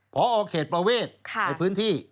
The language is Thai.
พอเขตประเวทในพื้นที่